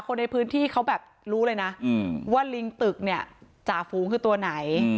คนในพื้นที่เขาแบบรู้เลยนะว่าลิงตึกเนี่ยจ่าฝูงคือตัวไหน